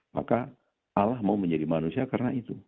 maka allah mau menjadi manusia karena itu